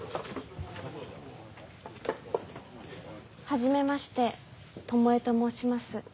はじめまして巴と申します。